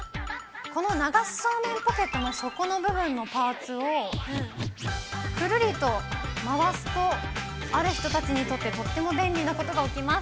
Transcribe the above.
この流しそうめんポケットの底の部分のパーツを、くるりと回すと、ある人たちにとってとっても便利なことが起きます。